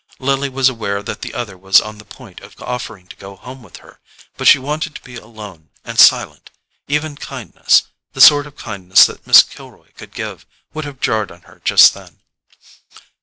Lily was aware that the other was on the point of offering to go home with her, but she wanted to be alone and silent—even kindness, the sort of kindness that Miss Kilroy could give, would have jarred on her just then.